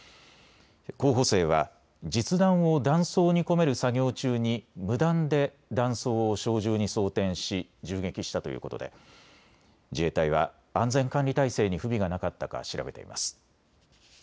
候補生は実弾を弾倉に込める作業中に無断で弾倉を小銃に装填し銃撃したということで自衛隊は安全管理態勢に不備がなかったか調べています。